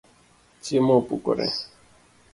Chiemo opukore